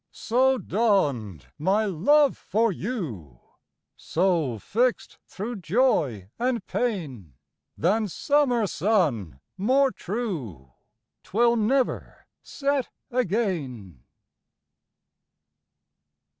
So dawned my love for you; So, fixt thro' joy and pain, Than summer sun more true, 'Twill never set again.